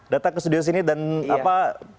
datang ke studio sini dan apa